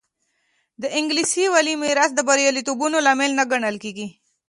د انګلیسي والي میراث د بریالیتوبونو لامل نه ګڼل کېږي.